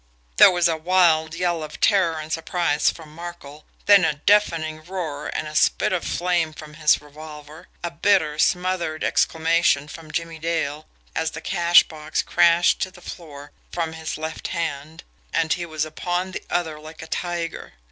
There was a wild yell of terror and surprise from Markel, then a deafening roar and a spit of flame from his revolver a bitter, smothered exclamation from Jimmie Dale as the cash box crashed to the floor from his left hand, and he was upon the other like a tiger.